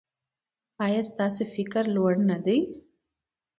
ایا ستاسو فکر لوړ نه دی؟